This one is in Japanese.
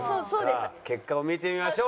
さあ結果を見てみましょう。